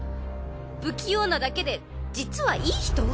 不器用なだけで実はいい人！？